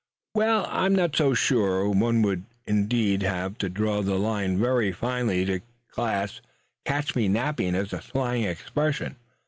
"Well, I am not so sure. One would, indeed, have to draw the line very finely to class 'catch me napping' as a slang expression.